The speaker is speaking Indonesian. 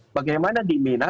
bagaimana di mina